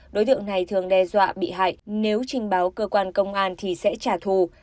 đối tượng này thường đe dọa bị hại nếu trình báo cơ quan công an thì sẽ trả thù